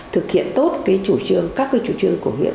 thực hiện tốt cái chủ trương các cái chủ trương của huyện